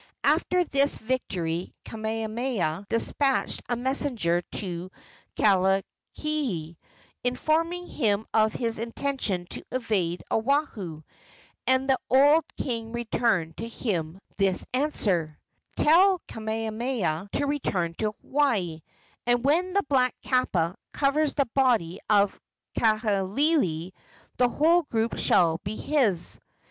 After this victory Kamehameha despatched a messenger to Kahekili, informing him of his intention to invade Oahu, and the old king returned to him this answer: "Tell Kamehameha to return to Hawaii, and when the black kapa covers the body of Kahekili the whole group shall be his."